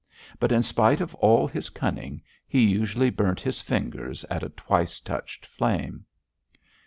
But in spite of all his cunning he usually burnt his fingers at a twice touched flame.